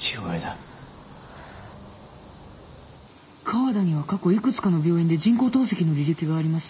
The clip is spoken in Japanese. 河田には過去幾つかの病院で人工透析の履歴があります。